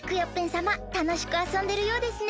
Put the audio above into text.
さまたのしくあそんでるようですね。